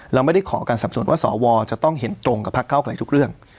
เราไม่ได้ขอการสับสนว่าสวจะต้องเห็นตรงกับพักเก้าไกลทุกเรื่อง